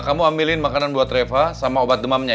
kamu ambilin makanan buat reva sama obat demamnya